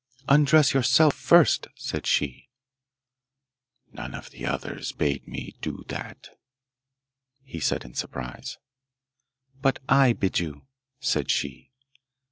'Undress yourself first!' said she. 'None of the others bade me do that,' said he in surprise. 'But I bid you,' said she.